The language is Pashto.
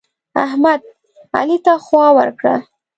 احمد؛ علي ته خوا ورکړه.